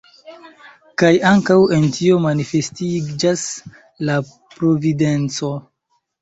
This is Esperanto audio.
Kaj ankaŭ en tio manifestiĝas la Providenco.